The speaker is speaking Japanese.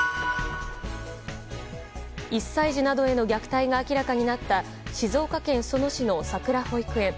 １歳児などへの虐待が明らかになった静岡県裾野市のさくら保育園。